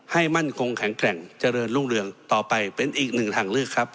มั่นคงแข็งแกร่งเจริญรุ่งเรืองต่อไปเป็นอีกหนึ่งทางเลือกครับ